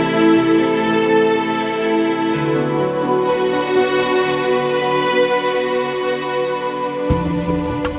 putih akan sebelah